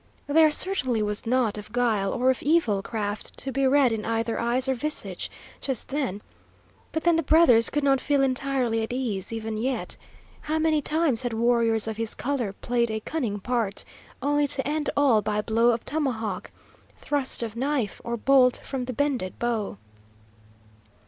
There certainly was naught of guile or of evil craft to be read in either eyes or visage, just then; but the brothers could not feel entirely at ease, even yet. How many times had warriors of his colour played a cunning part, only to end all by blow of tomahawk, thrust of knife, or bolt from the bended bow?